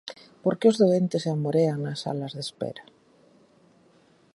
¿Por que os doentes se amorean nas salas de espera?